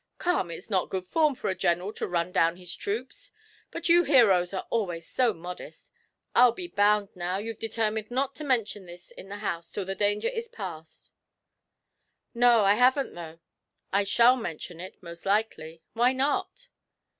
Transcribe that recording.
'Come, it's not good form for a General to run down his troops; but you heroes are always so modest. I'll be bound, now, you've determined not to mention this in the house till the danger is passed?' 'No, I haven't, though. I shall mention it, most likely. Why not?'